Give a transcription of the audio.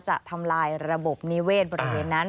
ทำลายระบบนิเวศบริเวณนั้น